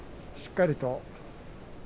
しっかりと。